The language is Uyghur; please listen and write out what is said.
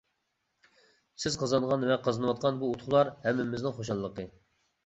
سىز قازانغان ۋە قازىنىۋاتقان بۇ ئۇتۇقلار ھەممىمىزنىڭ خۇشاللىقى.